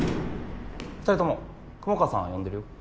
２人とも雲川さんが呼んでるよ。